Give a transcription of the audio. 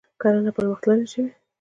کرنه پرمختللې شوې.